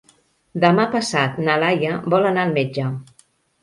Demà passat na Laia vol anar al metge.